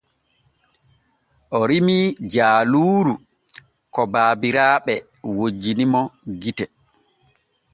O rimii jaaluuru ko baabiraaɓe wojjini mo gite.